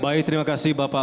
baik terima kasih bapak